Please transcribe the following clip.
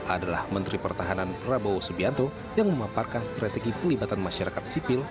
adalah menteri pertahanan prabowo subianto yang memaparkan strategi pelibatan masyarakat sipil